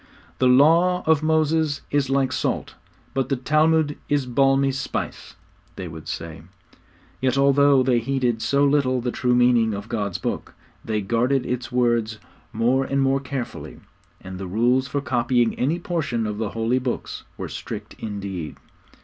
'The law of Moses is like salt, but the Talmud is balmy spice,' they would say. Yet although they heeded so little the true meaning of God's Book, they guarded its words more and more carefully; and the rules for copying any portion of the holy Books were strict indeed.